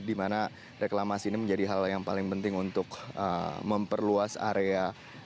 di mana reklamasi ini menjadi hal yang paling penting untuk memperluas area